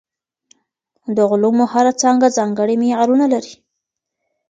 د علومو هره څانګه ځانګړي معیارونه لري.